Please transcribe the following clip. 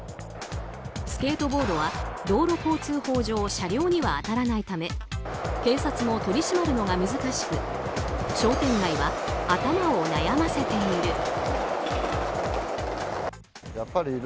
スケートボードは道路交通法上車両には当たらないため警察も取り締まるのが難しく商店街は頭を悩ませている。